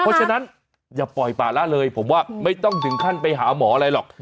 เพราะฉะนั้นอย่าปล่อยป่าละเลยผมว่าไม่ต้องถึงขั้นไปหาหมออะไรหรอก